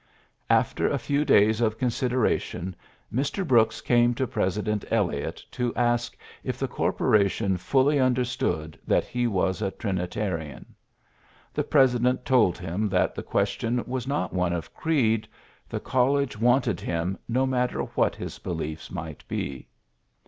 After a few days of consideration Mr. Brooks came to President Eliot to ask if the corporation fully understood that he was a Trinitarian. The president told him that the question was not one of creed, the college wanted him, no matter what his beliefe might be.